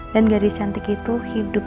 dan gadis cantik itu hidup